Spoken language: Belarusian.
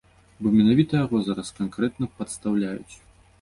Бо менавіта яго зараз канкрэтна падстаўляюць.